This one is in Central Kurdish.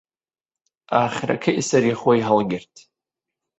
ئاخرەکەی سەری خۆی هەڵگرت